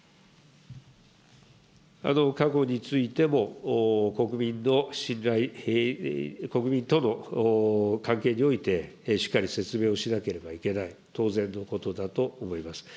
過去についても、国民の信頼、国民との関係において、しっかり説明をしなければいけない、当然のことだと思います。